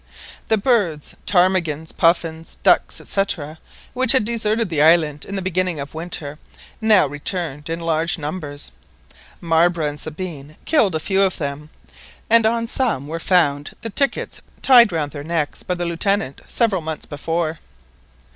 The birds, ptarmigans, puffins, ducks, &c., which had deserted the island in the beginning of the winter, now returned in large numbers. Marbre and Sabine killed a few of them, and on some were found the tickets tied round their necks by the Lieutenant several months before.